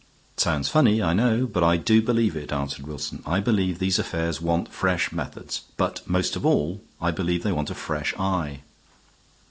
"Sounds funny, I know, but I do believe it," answered Wilson. "I believe these affairs want fresh methods. But most of all I believe they want a fresh eye."